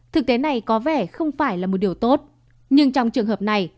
thực tế này có vẻ không phải là một điều tốt nhưng trong trường hợp này